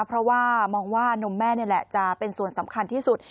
เพราะว่ามองว่านมแม่นี่แหละจะเป็นส่วนสำคัญที่สุด